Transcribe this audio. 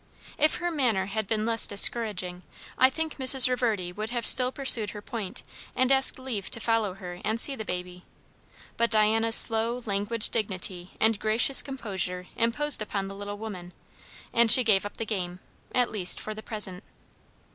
If her manner had been less discouraging, I think Mrs. Reverdy would have still pursued her point, and asked leave to follow her and see the baby; but Diana's slow, languid dignity and gracious composure imposed upon the little woman, and she gave up the game; at least for the present.